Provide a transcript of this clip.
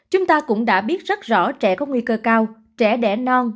chúng ta cũng đã biết rất rõ trẻ có nguy cơ cao trẻ đẻ non